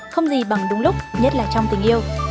không gì bằng đúng lúc nhất là trong tình yêu